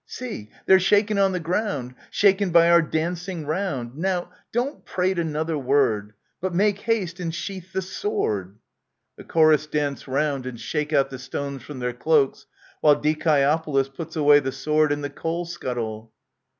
See, they're shaken on the ground, Shaken by our dancing round ! Now, don't prate another word, But make haste and sheathe the sword ! \The Chorus dance round and shake out the stones from their cloaks, while Dioeopolis puts away the sword and the coal scuttle.